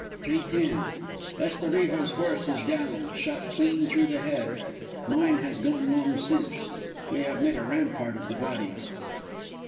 "Three ten. Estorijo's horse is down, shot clean through the head. Mine has gone long since. We have made a rampart of the bodies.